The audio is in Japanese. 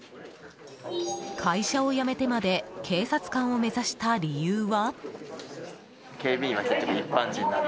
会社を辞めてまで警察官を目指した理由は？